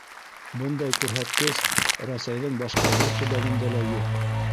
Бындай күрһәткес Рәсәйҙең башҡа бер төбәгендә лә юҡ.